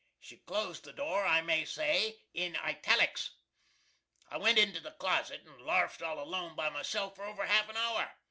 She closed the door, I may say, in ITALICS. I went into the closet and larfed all alone by myself for over half an hour.